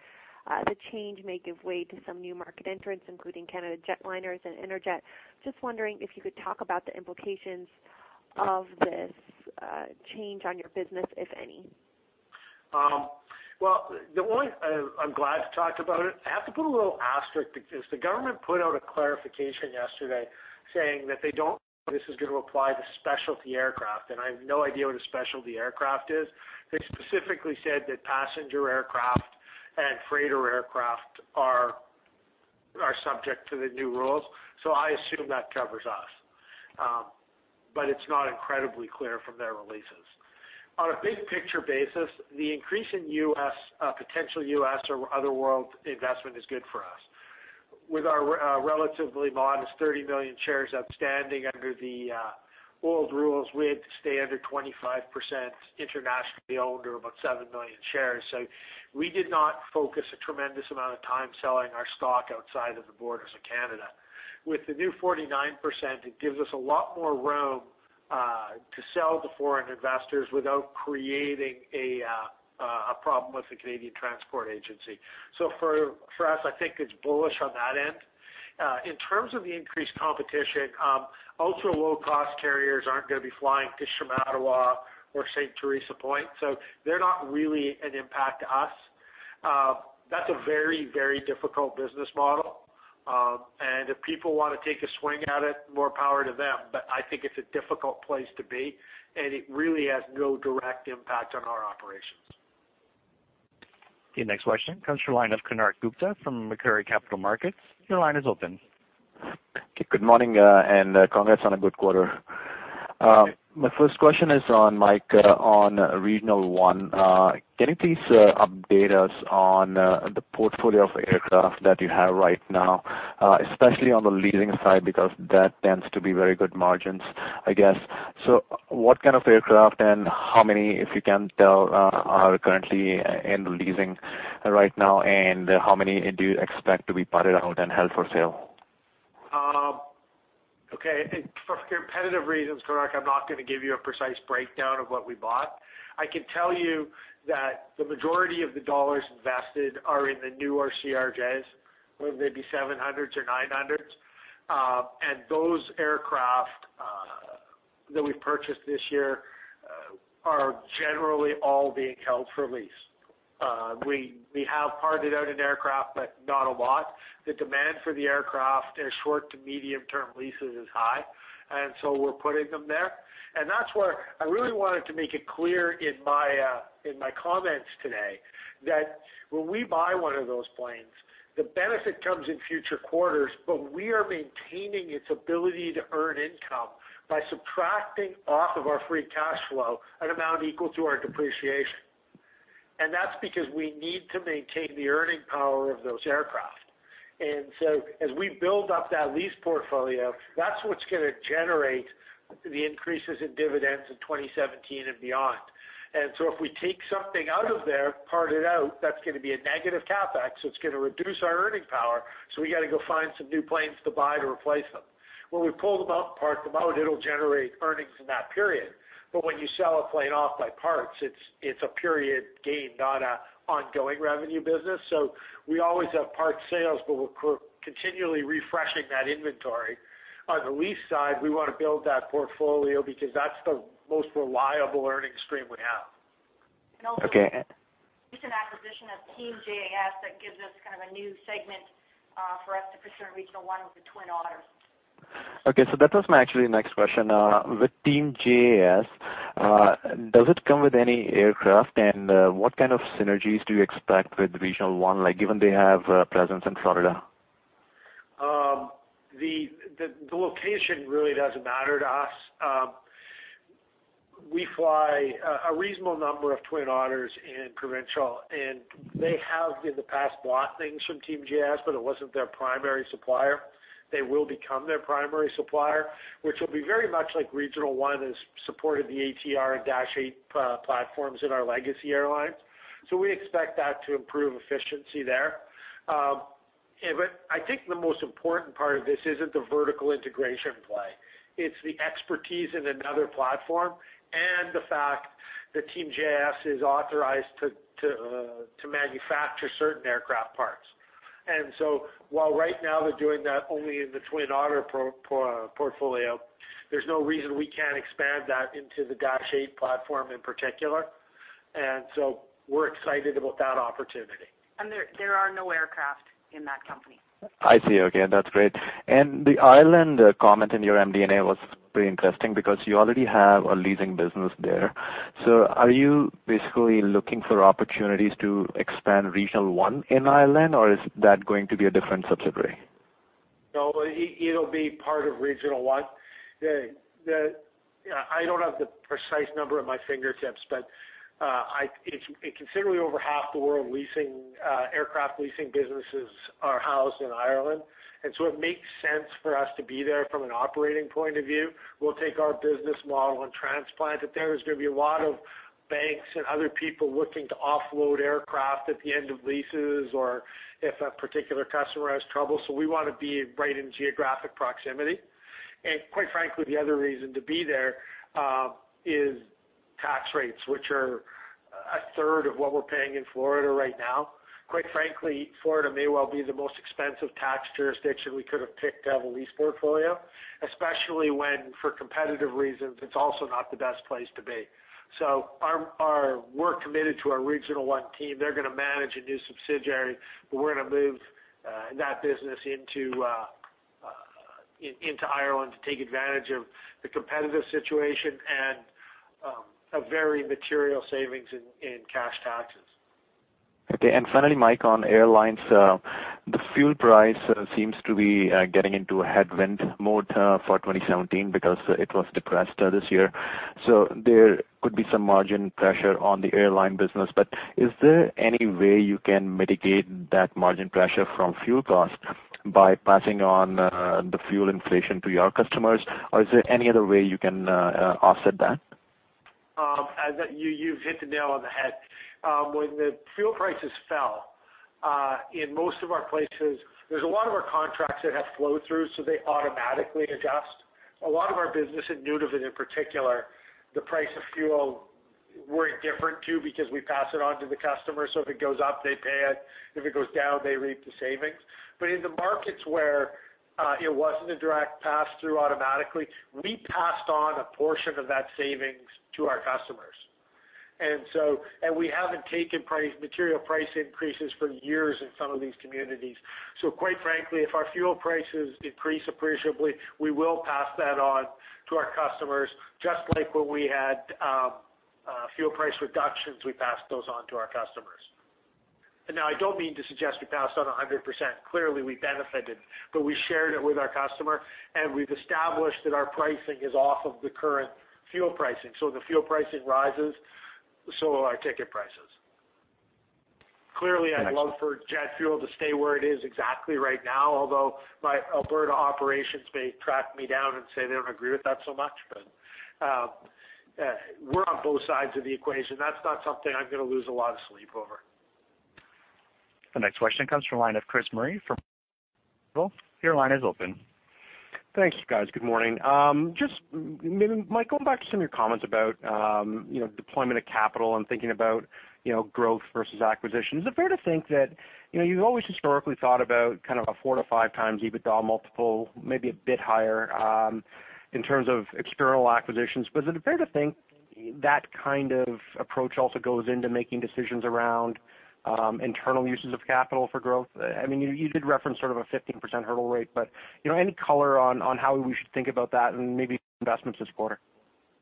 The change may give way to some new market entrants, including Canada Jetlines and Interjet. Just wondering if you could talk about the implications of this change on your business, if any. I'm glad to talk about it. I have to put a little asterisk because the government put out a clarification yesterday saying that This is going to apply to specialty aircraft, and I have no idea what a specialty aircraft is. They specifically said that passenger aircraft and freighter aircraft are subject to the new rules. I assume that covers us. It's not incredibly clear from their releases. On a big picture basis, the increase in potential U.S. or other world investment is good for us. With our relatively modest 30 million shares outstanding under the old rules, we had to stay under 25% internationally owned, or about 7 million shares. We did not focus a tremendous amount of time selling our stock outside of the borders of Canada. With the new 49%, it gives us a lot more room to sell to foreign investors without creating a problem with the Canadian Transportation Agency. For us, I think it's bullish on that end. In terms of the increased competition, ultra-low-cost carriers aren't going to be flying to Shamattawa or St. Theresa Point, so they're not really an impact to us. That's a very, very difficult business model. If people want to take a swing at it, more power to them. I think it's a difficult place to be, and it really has no direct impact on our operations. The next question comes from the line of Konark Gupta from Macquarie Capital Markets. Your line is open. Okay, good morning. Congrats on a good quarter. My first question is, Mike, on Regional One. Can you please update us on the portfolio of aircraft that you have right now, especially on the leasing side, because that tends to be very good margins, I guess. What kind of aircraft and how many, if you can tell, are currently in leasing right now, and how many do you expect to be parted out and held for sale? Okay. For competitive reasons, Konark, I'm not going to give you a precise breakdown of what we bought. I can tell you that the majority of the dollars invested are in the newer CRJs, maybe 700s or 900s. Those aircraft that we've purchased this year are generally all being held for lease. We have parted out an aircraft, but not a lot. The demand for the aircraft in short to medium term leases is high. We're putting them there. That's where I really wanted to make it clear in my comments today that when we buy one of those planes, the benefit comes in future quarters, but we are maintaining its ability to earn income by subtracting off of our free cash flow an amount equal to our depreciation. That's because we need to maintain the earning power of those aircraft. As we build up that lease portfolio, that's what's going to generate the increases in dividends in 2017 and beyond. If we take something out of there, part it out, that's going to be a negative CapEx, so it's going to reduce our earning power, so we got to go find some new planes to buy to replace them. When we pull them out and park them out, it'll generate earnings in that period. When you sell a plane off by parts, it's a period gain, not an ongoing revenue business. We always have parts sales, but we're continually refreshing that inventory. On the lease side, we want to build that portfolio because that's the most reliable earnings stream we have. And also- Okay. Recent acquisition of Team JAS, that gives us kind of a new segment for us to pursue Regional One with the Twin Otters. Okay, that was my actually next question. With Team JAS, does it come with any aircraft and what kind of synergies do you expect with Regional One, given they have a presence in Florida? The location really doesn't matter to us. We fly a reasonable number of Twin Otters in Provincial, and they have in the past bought things from Team JAS, but it wasn't their primary supplier. They will become their primary supplier, which will be very much like Regional One has supported the ATR and Dash 8 platforms in our legacy airlines. We expect that to improve efficiency there. I think the most important part of this isn't the vertical integration play. It's the expertise in another platform and the fact that Team JAS is authorized to manufacture certain aircraft parts. While right now they're doing that only in the Twin Otter portfolio, there's no reason we can't expand that into the Dash 8 platform in particular. We're excited about that opportunity. There are no aircraft in that company. I see. Okay, that's great. The Ireland comment in your MD&A was pretty interesting because you already have a leasing business there. Are you basically looking for opportunities to expand Regional One in Ireland, or is that going to be a different subsidiary? No, it'll be part of Regional One. I don't have the precise number at my fingertips, but considerably over half the world aircraft leasing businesses are housed in Ireland, it makes sense for us to be there from an operating point of view. We'll take our business model and transplant it there. There's going to be a lot of banks and other people looking to offload aircraft at the end of leases or if a particular customer has trouble. We want to be right in geographic proximity. Quite frankly, the other reason to be there is tax rates, which are a third of what we're paying in Florida right now. Quite frankly, Florida may well be the most expensive tax jurisdiction we could have picked to have a lease portfolio, especially when, for competitive reasons, it's also not the best place to be. We're committed to our Regional One team. They're going to manage a new subsidiary. We're going to move that business into Ireland to take advantage of the competitive situation and a very material savings in cash taxes. Finally, Mike, on airlines, the fuel price seems to be getting into a headwind mode for 2017 because it was depressed this year. There could be some margin pressure on the airline business. Is there any way you can mitigate that margin pressure from fuel costs by passing on the fuel inflation to your customers? Is there any other way you can offset that? You've hit the nail on the head. When the fuel prices fell, in most of our places, there's a lot of our contracts that have flow-through, so they automatically adjust. A lot of our business in Nunavut, in particular, the price of fuel, we're indifferent to because we pass it on to the customer. If it goes up, they pay it. If it goes down, they reap the savings. In the markets where it wasn't a direct pass-through automatically, we passed on a portion of that savings to our customers. We haven't taken material price increases for years in some of these communities. Quite frankly, if our fuel prices increase appreciably, we will pass that on to our customers, just like when we had fuel price reductions, we passed those on to our customers. Now, I don't mean to suggest we passed on 100%. Clearly, we benefited, but we shared it with our customer, and we've established that our pricing is off of the current fuel pricing. The fuel pricing rises, so will our ticket prices. Clearly, I'd love for jet fuel to stay where it is exactly right now, although my Alberta operations may track me down and say they don't agree with that so much. We're on both sides of the equation. That's not something I'm going to lose a lot of sleep over. The next question comes from line of Chris Murray from ATB Capital Markets. Your line is open. Thanks, guys. Good morning. Just maybe, Mike Pyle, going back to some of your comments about deployment of capital and thinking about growth versus acquisition, is it fair to think that you've always historically thought about kind of a four to five times EBITDA multiple, maybe a bit higher, in terms of external acquisitions? Is it fair to think that kind of approach also goes into making decisions around internal uses of capital for growth? You did reference sort of a 15% hurdle rate. Any color on how we should think about that and maybe investments this quarter?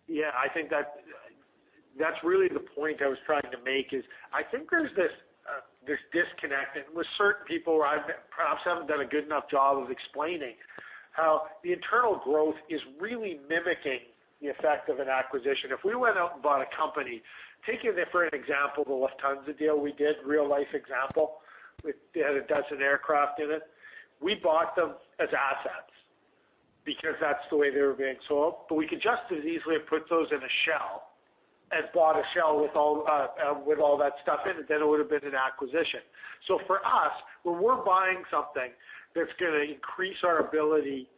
Yeah, I think that's really the point I was trying to make is, I think there's this disconnect, and with certain people, perhaps I haven't done a good enough job of explaining how the internal growth is really mimicking the effect of an acquisition. If we went out and bought a company, taking it for an example, the Lufthansa deal we did, real life example, it had a dozen aircraft in it. We bought them as assets because that's the way they were being sold. We could just as easily have put those in a shell and bought a shell with all that stuff in it, then it would've been an acquisition. For us, when we're buying something that's going to increase our ability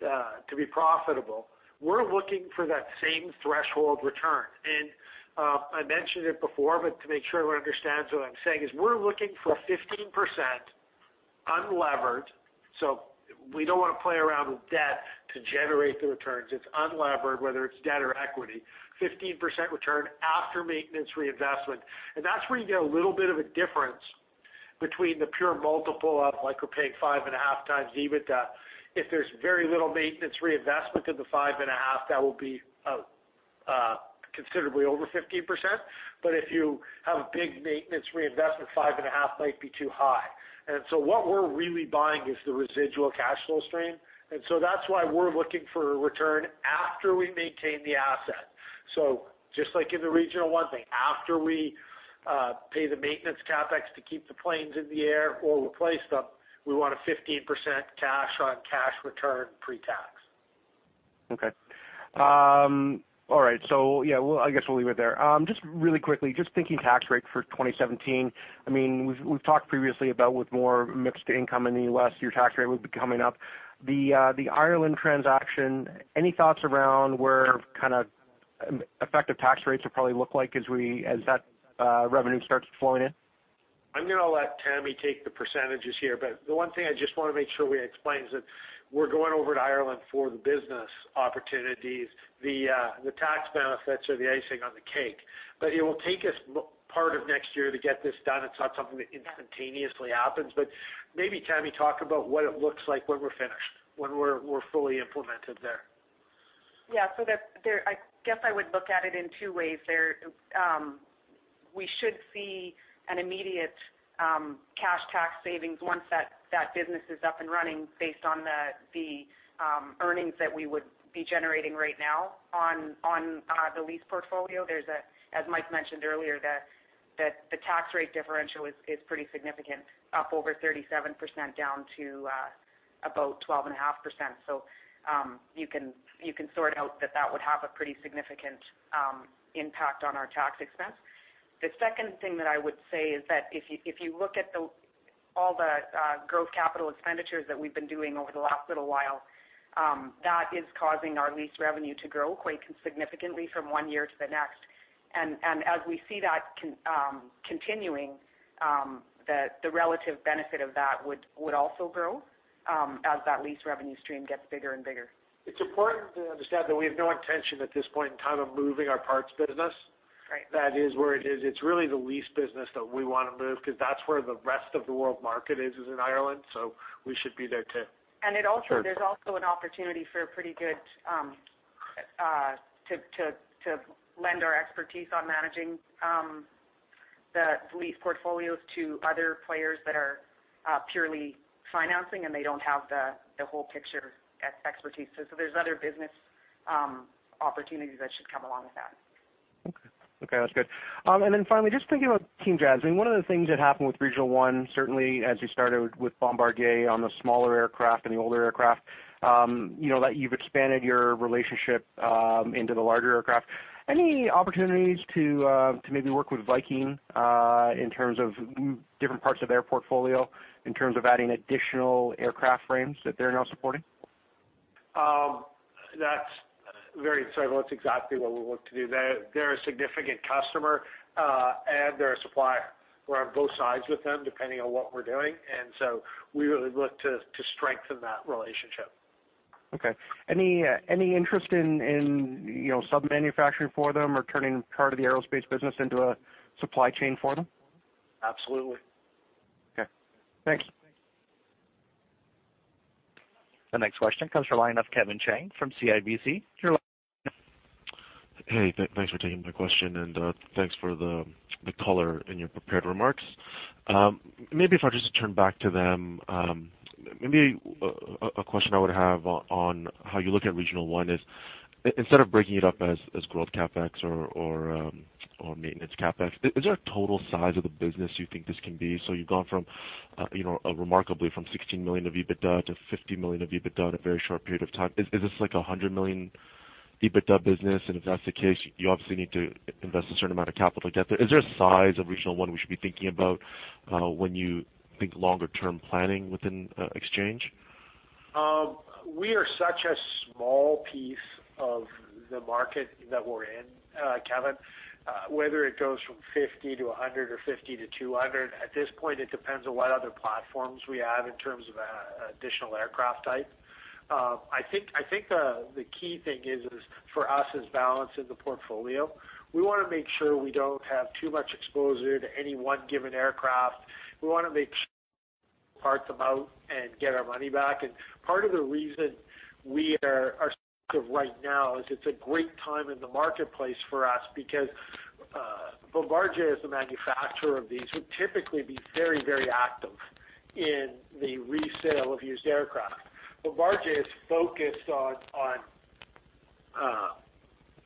to be profitable, we're looking for that same threshold return. I mentioned it before. To make sure everyone understands what I'm saying is we're looking for 15% unlevered. We don't want to play around with debt to generate the returns. It's unlevered, whether it's debt or equity, 15% return after maintenance reinvestment. That's where you get a little bit of a difference between the pure multiple of like we're paying five and a half times EBITDA. If there's very little maintenance reinvestment in the five and a half, that will be considerably over 15%. If you have a big maintenance reinvestment, five and a half might be too high. What we're really buying is the residual cash flow stream. That's why we're looking for a return after we maintain the asset. Just like in the Regional One thing, after we pay the maintenance CapEx to keep the planes in the air or replace them, we want a 15% cash on cash return pre-tax. Okay. All right. Yeah, I guess we'll leave it there. Just really quickly, thinking tax rate for 2017. We've talked previously about with more mixed income in the U.S., your tax rate would be coming up. The Ireland transaction, any thoughts around where effective tax rates will probably look like as that revenue starts flowing in? I'm going to let Tammy take the percentages here, but the one thing I just want to make sure we explain is that we're going over to Ireland for the business opportunities. The tax benefits are the icing on the cake. It will take us part of next year to get this done. It's not something that instantaneously happens. Maybe Tammy, talk about what it looks like when we're finished, when we're fully implemented there. Yeah. I guess I would look at it in two ways. We should see an immediate cash tax savings once that business is up and running based on the earnings that we would be generating right now on the lease portfolio. As Mike mentioned earlier, the tax rate differential is pretty significant, up over 37% down to about 12.5%. You can sort out that that would have a pretty significant impact on our tax expense. The second thing that I would say is that if you look at all the growth capital expenditures that we've been doing over the last little while, that is causing our lease revenue to grow quite significantly from one year to the next. As we see that continuing, the relative benefit of that would also grow as that lease revenue stream gets bigger and bigger. It's important to understand that we have no intention at this point in time of moving our parts business. Right. That is where it is. It's really the lease business that we want to move because that's where the rest of the world market is in Ireland. We should be there too. There's also an opportunity to lend our expertise on managing the lease portfolios to other players that are purely financing, and they don't have the whole picture expertise. There's other business opportunities that should come along with that. Okay. That's good. Finally, just thinking about Team JAS, one of the things that happened with Regional One, certainly as you started with Bombardier on the smaller aircraft and the older aircraft, that you've expanded your relationship into the larger aircraft. Any opportunities to maybe work with Viking in terms of different parts of their portfolio, in terms of adding additional aircraft frames that they're now supporting? That's very insightful. That's exactly what we look to do. They're a significant customer, and they're a supplier. We're on both sides with them, depending on what we're doing. We really look to strengthen that relationship. Okay. Any interest in sub-manufacturing for them or turning part of the aerospace business into a supply chain for them? Absolutely. Okay. Thanks. The next question comes from line of Kevin Chiang from CIBC. Your line is open. Hey, thanks for taking my question and thanks for the color in your prepared remarks. If I were just to turn back to them. A question I would have on how you look at Regional One is, instead of breaking it up as growth CapEx or maintenance CapEx, is there a total size of the business you think this can be? You've gone remarkably from 16 million of EBITDA to 50 million of EBITDA in a very short period of time. Is this like a 100 million EBITDA business? If that's the case, you obviously need to invest a certain amount of capital to get there. Is there a size of Regional One we should be thinking about when you think longer term planning within Exchange? We are such a small piece of the market that we're in, Kevin. Whether it goes from 50 to 100 or 50 to 200, at this point, it depends on what other platforms we have in terms of additional aircraft type. I think the key thing for us is balance in the portfolio. We want to make sure we don't have too much exposure to any one given aircraft. We want to make sure Part them out and get our money back. And part of the reason we are selective right now is it's a great time in the marketplace for us because Bombardier as the manufacturer of these would typically be very active in the resale of used aircraft. Bombardier is focused on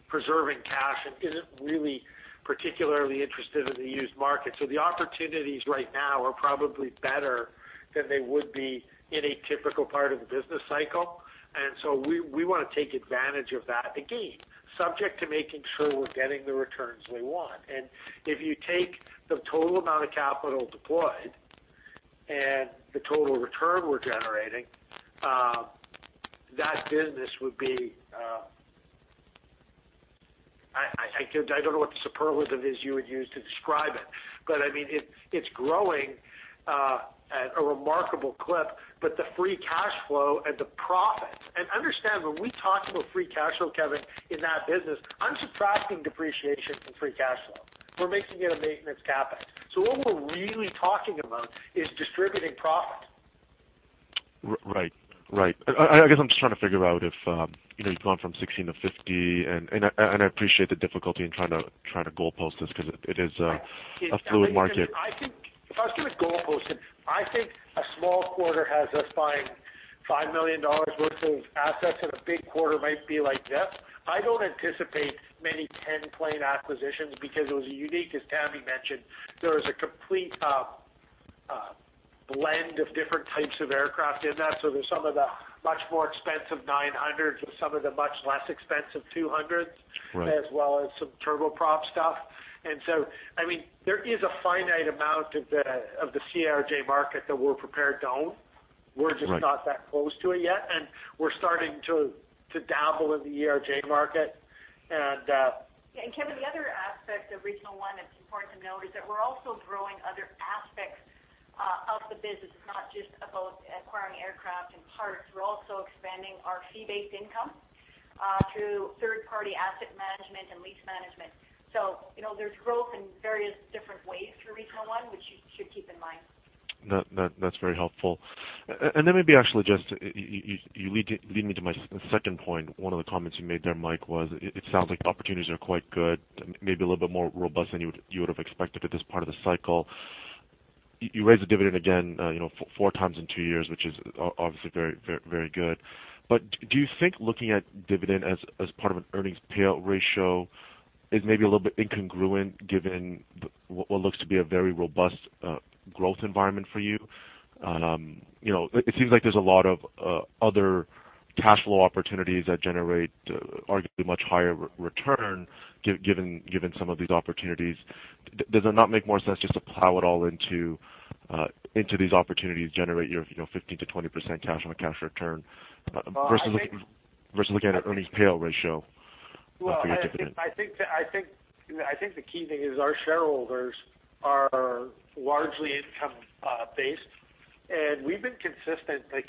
preserving cash and isn't really particularly interested in the used market. So the opportunities right now are probably better than they would be in a typical part of the business cycle. And so we want to take advantage of that. Again, subject to making sure we're getting the returns we want. And if you take the total amount of capital deployed and the total return we're generating, that business would be I don't know what the superlative is you would use to describe it's growing at a remarkable clip, the free cash flow and the profits. And understand, when we talk about free cash flow, Kevin, in that business, I'm subtracting depreciation from free cash flow. We're making it a maintenance CapEx. So what we're really talking about is distributing profit. Right. I guess I'm just trying to figure out if you've gone from 16 to 50, and I appreciate the difficulty in trying to goalpost this because it is a fluid market. If I was going to goalpost it, I think a small quarter has us buying 5 million dollars worth of assets, and a big quarter might be like this. I don't anticipate many 10-plane acquisitions because it was unique, as Tammy mentioned. There was a complete blend of different types of aircraft in that. So there's some of the much more expensive 900s with some of the much less expensive 200s- Right as well as some turboprop stuff. There is a finite amount of the CRJ market that we're prepared to own. Right. We're just not that close to it yet, and we're starting to dabble in the ERJ market. Yeah. Kevin, the other aspect of Regional One that's important to note is that we're also growing other aspects of the business. It's not just about acquiring aircraft and parts. We're also expanding our fee-based income through third-party asset management and lease management. There's growth in various different ways for Regional One, which you should keep in mind. That's very helpful. Maybe actually just, you lead me to my second point. One of the comments you made there, Mike, was it sounds like opportunities are quite good and maybe a little bit more robust than you would've expected at this part of the cycle. You raised the dividend again four times in two years, which is obviously very good. Do you think looking at dividend as part of an earnings payout ratio is maybe a little bit incongruent given what looks to be a very robust growth environment for you? It seems like there's a lot of other cash flow opportunities that generate arguably much higher return given some of these opportunities. Does it not make more sense just to plow it all into these opportunities, generate your 15%-20% cash on a cash return versus looking at earnings payout ratio for your dividend? Well, I think the key thing is our shareholders are largely income based, and we've been consistent, like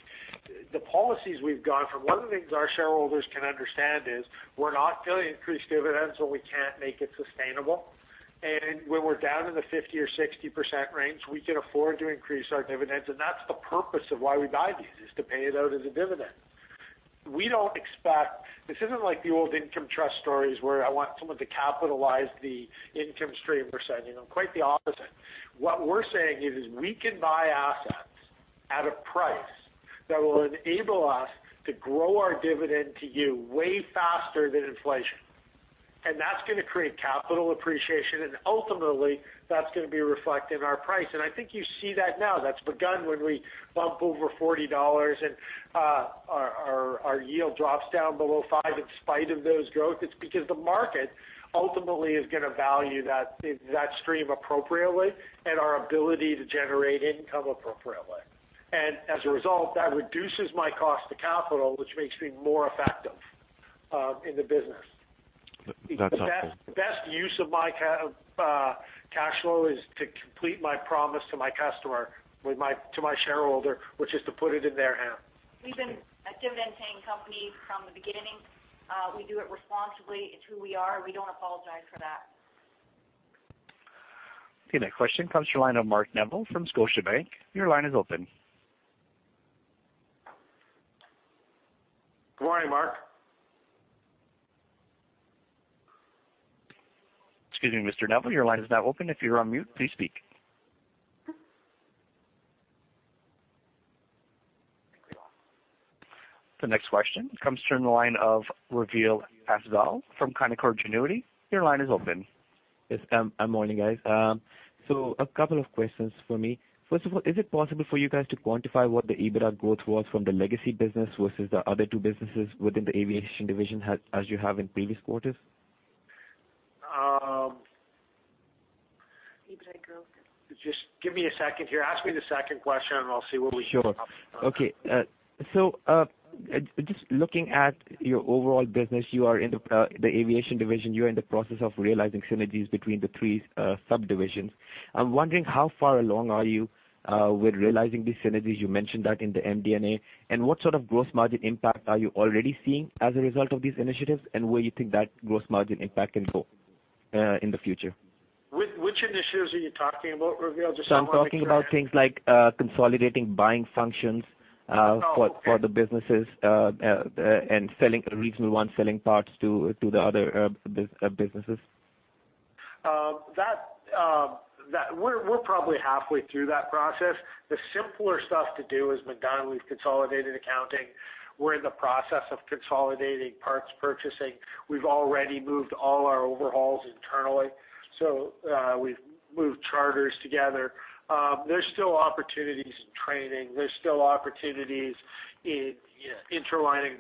the policies we've gone from. One of the things our shareholders can understand is we're not going to increase dividends when we can't make it sustainable. When we're down in the 50% or 60% range, we can afford to increase our dividends, and that's the purpose of why we buy these, is to pay it out as a dividend. This isn't like the old income trust stories where I want someone to capitalize the income stream we're sending them. Quite the opposite. What we're saying is we can buy assets at a price that will enable us to grow our dividend to you way faster than inflation. That's going to create capital appreciation, and ultimately, that's going to be reflected in our price. I think you see that now. That's begun when we bump over 40 dollars and our yield drops down below 5% in spite of those growth. It's because the market ultimately is going to value that stream appropriately and our ability to generate income appropriately. As a result, that reduces my cost to capital, which makes me more effective in the business. That's helpful. The best use of my cash flow is to complete my promise to my customer, to my shareholder, which is to put it in their hand. We've been a dividend-paying company from the beginning. We do it responsibly. It's who we are. We don't apologize for that. Next question comes from the line of Mark Neville from Scotiabank. Your line is open. Good morning, Mark. Excuse me, Mr. Neville, your line is now open. If you're on mute, please speak. The next question comes from the line of Raviel Hazal from Canaccord Genuity. Your line is open. Yes. Morning, guys. A couple of questions for me. First of all, is it possible for you guys to quantify what the EBITDA growth was from the legacy business versus the other two businesses within the aviation division as you have in previous quarters? EBITDA growth. Just give me a second here. Ask me the second question, I'll see what we can come up with. Sure. Okay. Just looking at your overall business, you are in the aviation division. You are in the process of realizing synergies between the three subdivisions. I'm wondering how far along are you with realizing these synergies? You mentioned that in the MD&A. What sort of gross margin impact are you already seeing as a result of these initiatives, and where you think that gross margin impact can go? In the future. Which initiatives are you talking about, Raviel? I'm talking about things like consolidating buying functions Oh, okay. for the businesses, and Regional One selling parts to the other businesses. We're probably halfway through that process. The simpler stuff to do has been done. We've consolidated accounting. We're in the process of consolidating parts purchasing. We've already moved all our overhauls internally. We've moved charters together. There's still opportunities in training. There's still opportunities in interlining,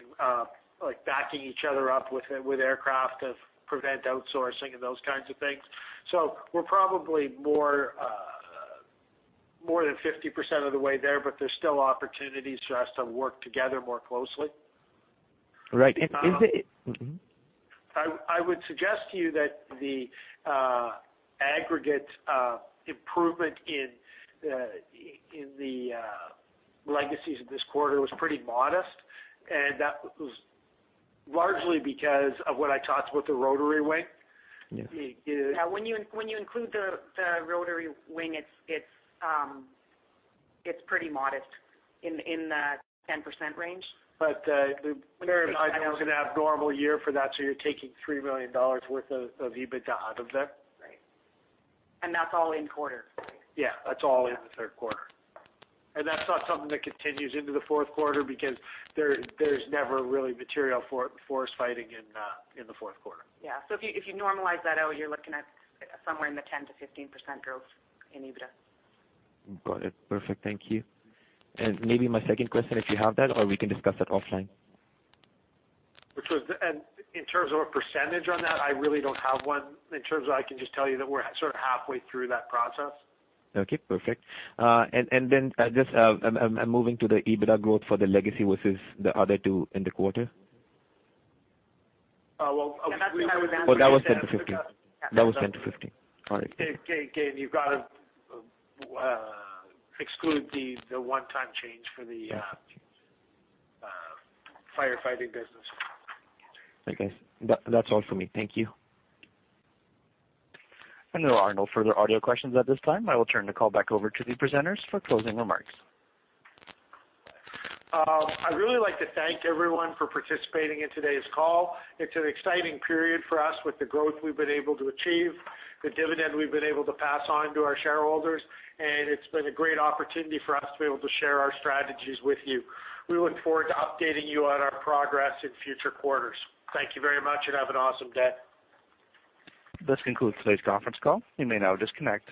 like backing each other up with aircraft to prevent outsourcing and those kinds of things. We're probably more than 50% of the way there, but there's still opportunities for us to work together more closely. Right. Is it? I would suggest to you that the aggregate improvement in the legacies of this quarter was pretty modest, and that was largely because of what I talked about the rotary wing. Yeah. When you include the rotary wing, it's pretty modest, in the 10% range. The The Minexchange was an abnormal year for that, so you're taking 3 million dollars worth of EBITDA out of it. Right. That's all in the quarter. Yeah. That's all in the third quarter. That's not something that continues into the fourth quarter because there's never really material forest fighting in the fourth quarter. Yeah. If you normalize that out, you're looking at somewhere in the 10%-15% growth in EBITDA. Got it. Perfect. Thank you. Maybe my second question, if you have that, or we can discuss that offline. In terms of a percentage on that, I really don't have one. I can just tell you that we're sort of halfway through that process. Okay. Perfect. Just I'm moving to the EBITDA growth for the legacy versus the other two in the quarter. Oh. That's what I was asking. That was 10% to 15%. That was 10% to 15%. All right. Again, you've got to exclude the one-time change for the firefighting business. Okay. That's all for me. Thank you. There are no further audio questions at this time. I will turn the call back over to the presenters for closing remarks. I'd really like to thank everyone for participating in today's call. It's an exciting period for us with the growth we've been able to achieve, the dividend we've been able to pass on to our shareholders, and it's been a great opportunity for us to be able to share our strategies with you. We look forward to updating you on our progress in future quarters. Thank you very much, and have an awesome day. This concludes today's conference call. You may now disconnect.